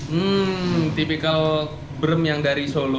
hmm tipikal brem yang dari solo